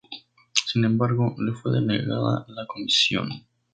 Sin embargo, le fue negada la comisión.